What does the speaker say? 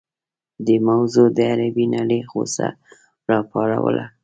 دې موضوع د عربي نړۍ غوسه راوپاروله.